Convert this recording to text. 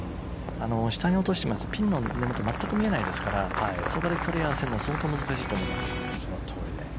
下に落としてしまうとピンの根元が全く見えないですからそこで距離を合わせるのは相当難しいと思います。